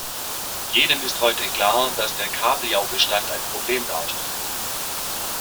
Jedem ist heute klar, dass der Kabeljaubestand ein Problem darstellt.